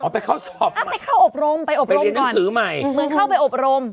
ไปเข้าสอบอ้าวไปเข้าอบรมไปอบรมเรียนหนังสือใหม่เหมือนเข้าไปอบรม